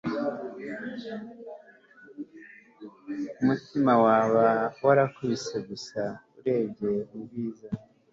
umutima waba warakubise gusa urebye ubwiza